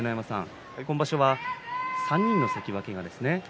今場所は３人の関脇がですね